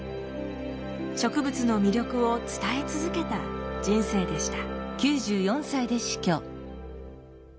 植物の魅力を伝え続けた人生でした。